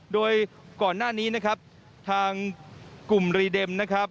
โดยก่อนหน้านี้นะครับทางกลุ่มรีเด็มนะครับ